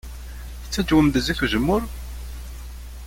Tettaǧwem-d zzit n uzemmur?